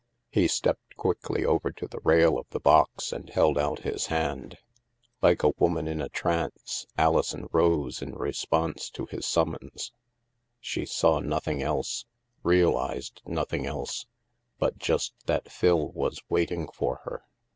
'' He stepped quickly over to the rail of the box and held out his hand. Like a woman in a trance, Alison rose in response to his summons. She saw nothing else, realized nothing else, but just that Phil was waiting for her.